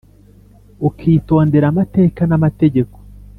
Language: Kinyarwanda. ukitondera amateka n’amategeko